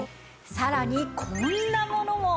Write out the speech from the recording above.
さらにこんなものも！